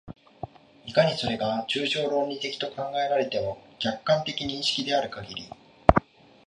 いかにそれが抽象論理的と考えられても、客観的認識であるかぎり、